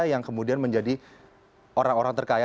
yang kemudian menjadi orang orang terkaya